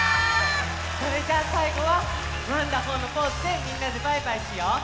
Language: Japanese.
それじゃさいごはワンダホーのポーズでみんなでバイバイしよう！